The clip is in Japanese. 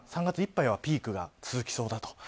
３月いっぱいはピークが続きそうだと。